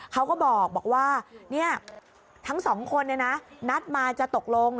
เขาก็บอกว่าทั้งสองคนนัดมาจะตกลง